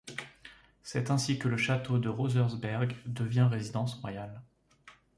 C'est ainsi que le château de Rosersberg devient résidence royale.